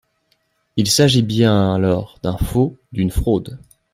Il s’agit bien alors d’un faux, d’une fraude.